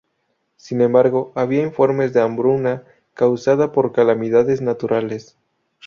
Sin embargo, había informes de hambruna causada por calamidades naturales.